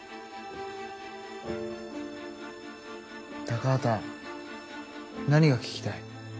高畑何が聞きたい？